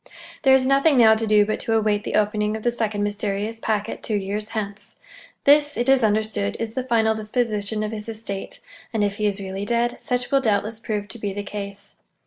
There is nothing now to do but to await the opening of the second mysterious packet two years hence. This, it is understood, is the final disposition of his estate; and if he is really dead, such will doubtless prove to be the case.